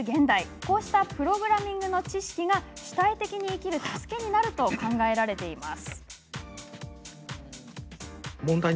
こうしたプログラミングの知識が主体的に生きる助けになると考えられています。